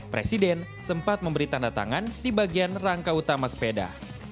presiden sempat memberi tanda tangan di bagian rangka utama sepeda